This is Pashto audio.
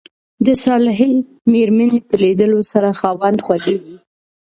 د صالحي ميرمني په ليدلو سره خاوند خوښيږي.